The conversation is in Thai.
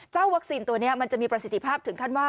วัคซีนตัวนี้มันจะมีประสิทธิภาพถึงขั้นว่า